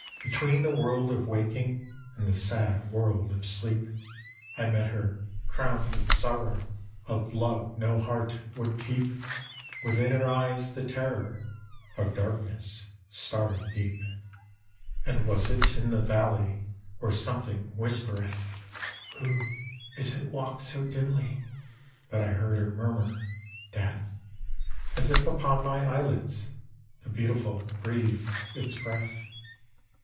Between the world of waking, And the sad world of sleep, I met her, crowned with sorrow Of love no heart would keep; Within her eyes the terror Of darkness, starry deep. And was it in the valley, Where something whispereth, "Who is it walks so dimly?" That I heard her murmur, "Death"? As if upon my eyelids The Beautiful breathed its breath.